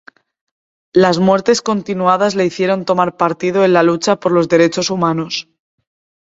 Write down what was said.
Las muertes continuadas le hicieron tomar partido en la lucha por los derechos humanos.